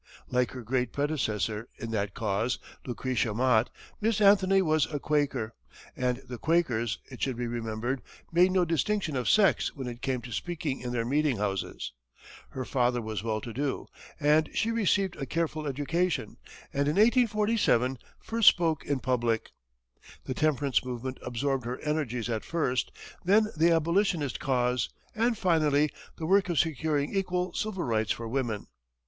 Like her great predecessor in that cause, Lucretia Mott, Miss Anthony was a Quaker, and the Quakers, it should be remembered, made no distinction of sex when it came to speaking in their meeting houses. Her father was well to do, and she received a careful education, and in 1847, first spoke in public. The temperance movement absorbed her energies at first; then the Abolitionist cause; and finally the work of securing equal civil rights for women.